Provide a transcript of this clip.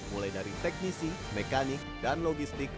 mulai dari teknisi mekanik dan logistik